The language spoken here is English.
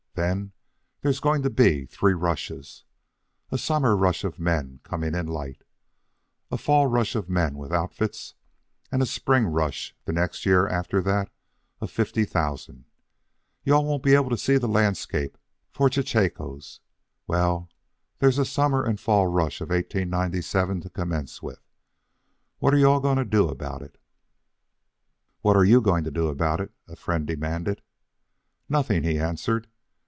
Then there's going to be three rushes. A summer rush of men coming in light; a fall rush of men with outfits; and a spring rush, the next year after that, of fifty thousand. You all won't be able to see the landscape for chechaquos. Well, there's the summer and fall rush of 1897 to commence with. What are you all going to do about it?" "What are you going to do about it?" a friend demanded. "Nothing," he answered.